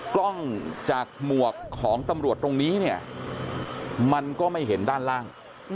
กล้องจากหมวกของตำรวจตรงนี้เนี่ยมันก็ไม่เห็นด้านล่าง